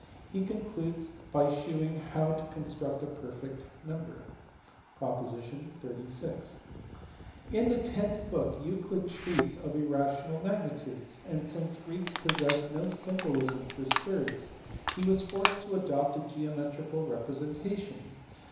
He concludes by shewing how to construct a "perfect" number (prop. 36). In the tenth book Euclid treats of irrational magnitudes ; and, since the Greeks possessed no symbolism for surds, he was forced to adopt a geometrical representation.